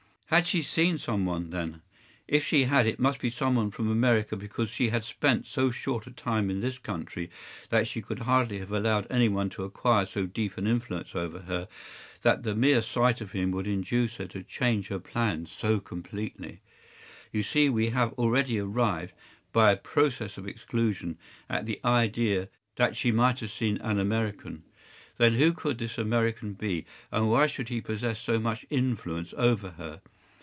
Had she seen some one, then? If she had, it must be some one from America, because she had spent so short a time in this country that she could hardly have allowed any one to acquire so deep an influence over her that the mere sight of him would induce her to change her plans so completely. You see we have already arrived, by a process of exclusion, at the idea that she might have seen an American. Then who could this American be, and why should he possess so much influence over her?